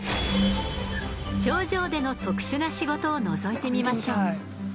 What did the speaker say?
頂上での特殊な仕事をのぞいてみましょう。